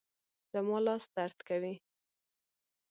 زما لاس درد کوي